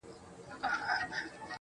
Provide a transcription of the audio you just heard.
دا نجلۍ د دې د هر پرهر گنډونکي ده_